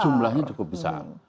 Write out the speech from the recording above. jumlahnya cukup besar